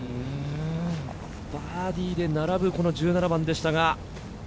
バーディーで並ぶ１７番でしたが。